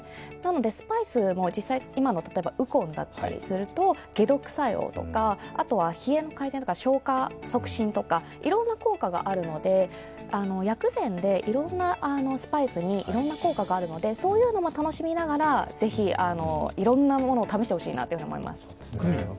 スパイスも今の例えばウコンだったりすると解毒作用だったりとか、あとは冷えの改善、消化促進とか、いろんな効果があるので薬膳でいろんなスパイスにいろんな効果があるのでそういうのも楽しみながらぜひいろんなものを試してほしいと思います。